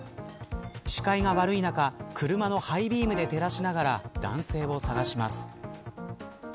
視界が悪い中車のハイビームで照らしながら男性を捜します。